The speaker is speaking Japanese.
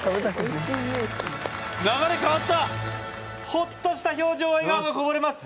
ホッとした表情笑顔がこぼれます